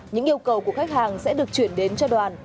những yêu cầu của khách hàng sẽ được chuyển đến cho đoàn